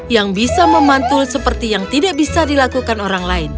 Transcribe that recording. yang bisa memantul seperti yang tidak bisa dilakukan orang lain